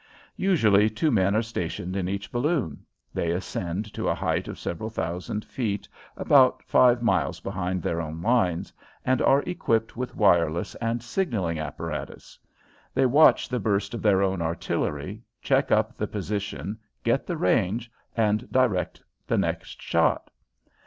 Usually two men are stationed in each balloon. They ascend to a height of several thousand feet about five miles behind their own lines and are equipped with wireless and signaling apparatus. They watch the burst of their own artillery, check up the position, get the range, and direct the next shot.